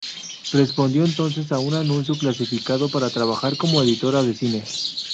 Respondió entonces a un anuncio clasificado para trabajar como editora de cine.